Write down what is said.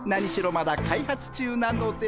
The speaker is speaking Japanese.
まだ開発中なので。